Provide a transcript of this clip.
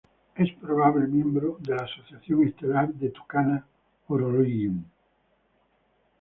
Es probable miembro de la Asociación estelar de Tucana-Horologium.